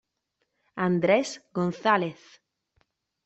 Andrés González